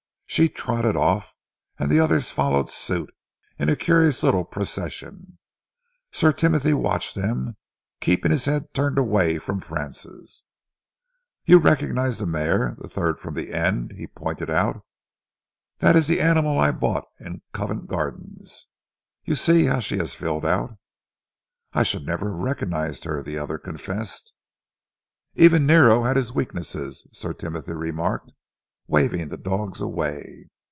She trotted off, and the others followed suit in a curious little procession. Sir Timothy watched them, keeping his head turned away from Francis. "You recognise the mare the third from the end?" he pointed out. "That is the animal I bought in Covent Garden. You see how she has filled out?" "I should never have recognised her," the other confessed. "Even Nero had his weaknesses," Sir Timothy remarked, waving the dogs away.